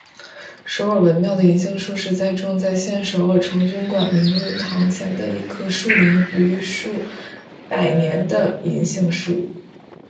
首尔文庙的银杏树是栽种在现首尔成均馆明伦堂前的一棵树龄逾数百年的银杏树。